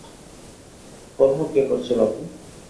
কলহ কে করছে বাপু!